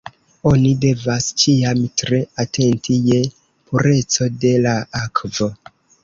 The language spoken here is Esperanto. Oni devas ĉiam tre atenti je pureco de la akvo.